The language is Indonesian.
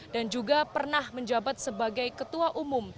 dan juga pernah menjabat sebagai ketua umat